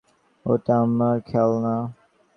ওটা আমার খেলনা।